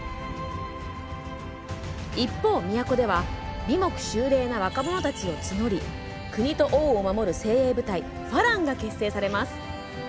一方、都では眉目秀麗な若者たちを募り国と王を守る精鋭部隊花郎ファランが結成されます。